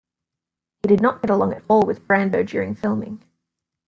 He did not get along at all with Brando during filming.